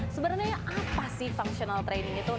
sebenarnya apa sih functional training itu